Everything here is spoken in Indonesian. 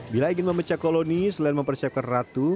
bila ingin memecah koloni selain mempersiapkan ratu